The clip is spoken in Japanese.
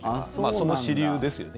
その支流ですよね。